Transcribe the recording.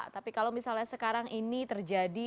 tapi kalau misalnya sekarang ini terjadi